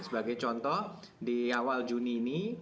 sebagai contoh di awal juni ini